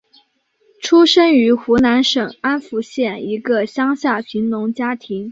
出生于湖南省安福县一个乡下贫农家庭。